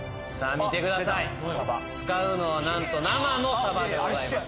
見てください使うのはなんと生のサバでございます